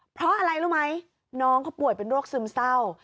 เพราะอะไรรู้ไหมน้องเขาป่วยเป็นโรคซึมเศร้า